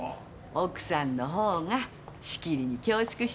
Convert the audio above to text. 奥さんの方がしきりに恐縮してたよ。